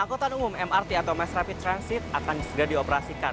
angkutan umum mrt atau mass rapid transit akan segera dioperasikan